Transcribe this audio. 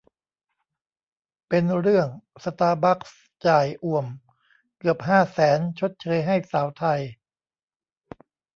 เป็นเรื่อง สตาร์บัคส์ จ่ายอ่วมเกือบ ห้า แสน ชดเชยให้สาวไทย